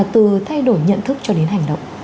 từ thay đổi nhận thức cho đến hành động